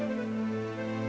tapi apaan sih